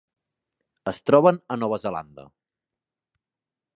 Es troben a Nova Zelanda.